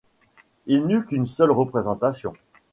Il n'eut qu'une seule représentation.